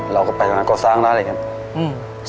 เราก็ไปก่อนหน้าก่อนสร้างร้านอะไรอย่างนี้